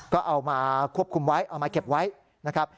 ก็เอามาควบคุมไว้เอามาเก็บไว้นะครับ